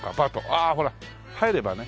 ああほら入ればね。